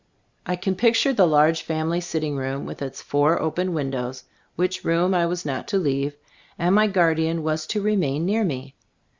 I can picture the large family sit ting room with its four open windows, which room I was not to leave, and my guardian was to remain near me.